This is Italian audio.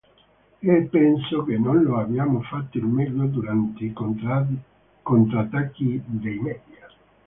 E penso che non lo abbiamo fatto al meglio durante i contrattacchi dei media"